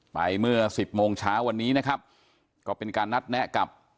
เมื่อสิบโมงเช้าวันนี้นะครับก็เป็นการนัดแนะกับ